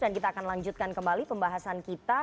dan kita akan lanjutkan kembali pembahasan kita